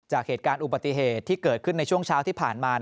จากเหตุการณ์อุบัติเหตุที่เกิดขึ้นในช่วงเช้าที่ผ่านมา